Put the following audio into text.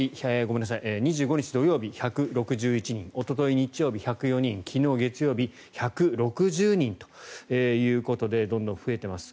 ２５日、土曜日１６１人おととい日曜日、１０４人昨日月曜日１６０人ということでどんどん増えてます。